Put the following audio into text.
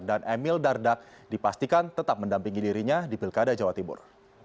dan emil dardak dipastikan tetap mendampingi dirinya di pilkada jawa timur